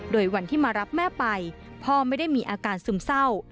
โดยวันที่มารับแม่ไปพ่อไม่ได้มีอาการซึมเศร้า